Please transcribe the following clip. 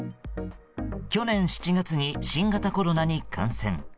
去年７月に新型コロナに感染。